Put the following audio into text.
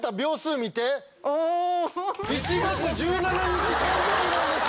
１月１７日誕生日なんです。